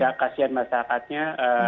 jadi kasihan masyarakatnya